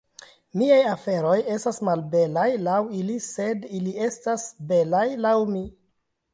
"Miaj aferoj estas malbelaj laŭ ili, sed ili estas belaj laŭ mi."